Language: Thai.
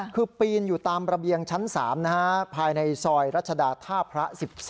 คือปีนอยู่ตามระเบียงชั้น๓ภายในซอยรัชดาท่าพระ๑๒